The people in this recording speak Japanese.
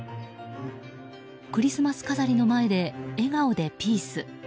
クリスマス飾りの前で笑顔でピース。